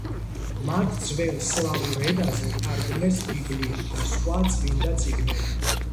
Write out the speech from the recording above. მათ ძველ სლავურ ენაზე თარგმნეს ბიბლია და სხვა წმინდა წიგნები.